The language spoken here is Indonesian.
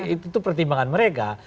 itu pertimbangan mereka